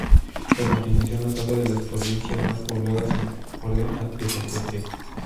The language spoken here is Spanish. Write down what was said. A continuación, la tabla de las provincias más pobladas en orden descendente.